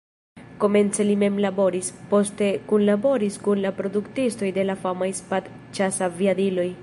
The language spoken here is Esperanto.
Komence li mem laboris, poste kunlaboris kun la produktistoj de la famaj Spad-ĉasaviadiloj.